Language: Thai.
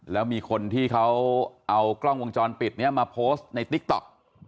แล้วมีคนที่เขาเอากล้องวงจรปิดนี้มาโพสต์ในติ๊กต๊อก